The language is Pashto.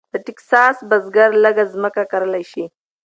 د ټیکساس بزګر لږه ځمکه کرلی شي.